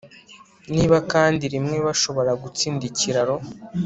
Niba kandi rimwe bashobora gutsinda ikiraro